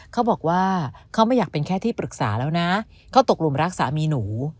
เขาบอกว่าเขาไม่อยากเป็นแค่ที่ปรึกษาแล้วนะเขาตกหลุมรักสามีหนู